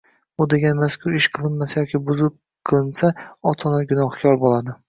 Bu degani mazkur ish qilinmasa yoki buzib qilinsa, ota-ona gunohkor bo‘ladi